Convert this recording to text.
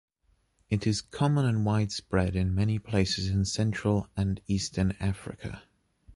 It is common and widespread in many places in central and eastern Africa.